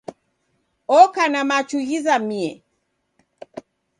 Oka na machu ghizamie